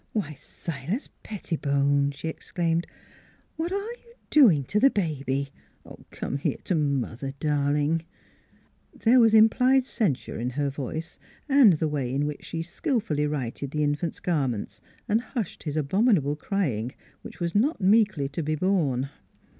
" Why, Silas Pettibone !" she exclaimed, " what are you doing to the baby? Come here to mother, darling! " 298 NEIGHBORS There was implied censure in her voice and the way in which she skillfully righted the in fant's garments and hushed his abominable cry ing, which was not meekly to be borne.